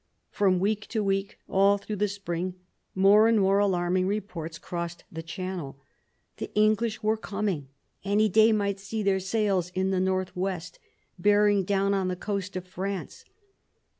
From week to week, all through the spring, more and more alarming reports crossed the Channel : the English were coming ; any day might see their sails in the north west, bearing down on the coast of France.